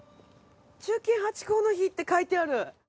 忠犬ハチ公の碑って書いてある。